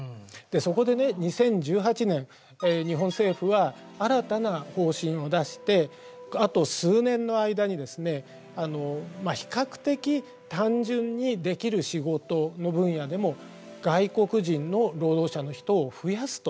そこでね２０１８年日本政府は新たな方針を出してあと数年の間にですね比較的単純にできる仕事の分野でも外国人の労働者の人を増やすというふうにしました。